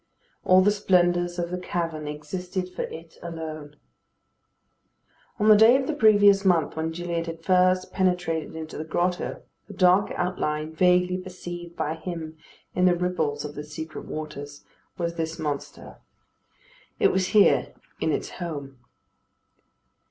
All the splendours of the cavern existed for it alone. On the day of the previous month when Gilliatt had first penetrated into the grotto, the dark outline, vaguely perceived by him in the ripples of the secret waters, was this monster. It was here in its home.